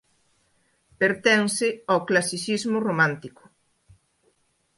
Pertence ó clasicismo romántico.